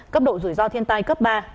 cấp độ rủi ro thiên tai cấp ba